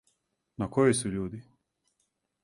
На којој су људи?